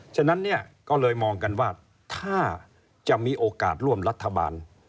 ฉะนั้นเนี่ยก็เลยมองกันว่าถ้าจะมีโอกาสร่วมรัฐบาล